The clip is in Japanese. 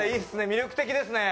魅力的ですね。